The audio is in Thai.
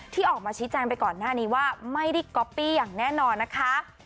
ที่ออกมาชี้แจงไปก่อนหน้านี้ว่าไม่ได้ก๊อปปี้อย่างแน่นอนนะคะ